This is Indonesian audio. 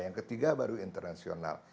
yang ketiga baru internasional